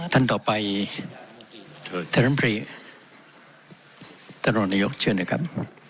ท่านต่อไปทหลังพลีตลอดนายกเชิญนะครับ